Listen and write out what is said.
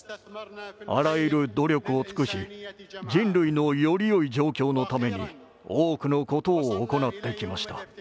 あらゆる努力を尽くし人類のよりよい状況のために多くのことを行ってきました。